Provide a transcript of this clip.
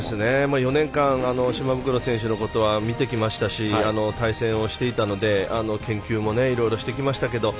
４年間、島袋選手のことは見てきましたし対戦していたので研究もいろいろしてきましたけど。